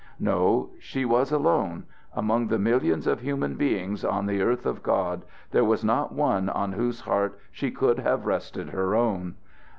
No; she was alone; among the millions of human beings on the earth of God there was not one on whose heart she could have rested her own.